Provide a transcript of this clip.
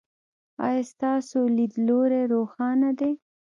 ایا ستاسو لید لوری روښانه دی؟